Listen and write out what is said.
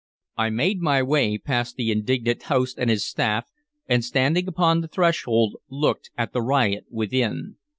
I made my way past the indignant host and his staff, and standing upon the threshold looked at the riot within.